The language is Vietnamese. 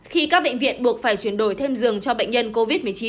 khi các bệnh viện buộc phải chuyển đổi thêm giường cho bệnh nhân covid một mươi chín